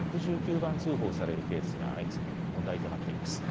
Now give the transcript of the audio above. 番通報されるケースが相次ぎ問題となっています。